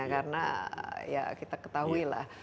karena ya kita ketahui lah